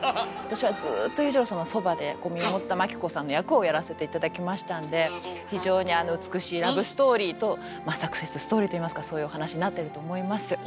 私はずっと裕次郎さんのそばでこう見守ったまき子さんの役をやらせて頂きましたんで非常に美しいラブストーリーとサクセスストーリーと言いますかそういうお話になってると思います。